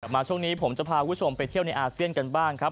ช่วงนี้ผมจะพาคุณผู้ชมไปเที่ยวในอาเซียนกันบ้างครับ